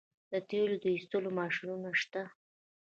د تیلو د ایستلو ماشینونه شته.